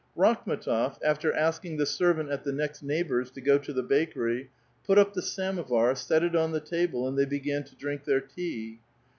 Rakhm^tof, after asking the servant at the next neighbor's to go to the bakei y, put np the samovar, set it on the table, and they began to drink their tea.